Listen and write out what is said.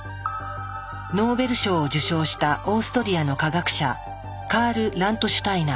ノーベル賞を受賞したオーストリアの科学者カール・ラントシュタイナー。